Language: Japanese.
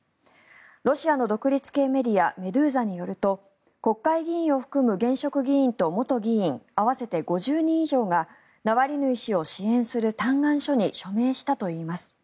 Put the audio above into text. ロシアの独立系メディアメドゥーザによると国会議員を含む現職議員と元議員合わせて５０人以上がナワリヌイ氏を支援する嘆願書に署名したといいます。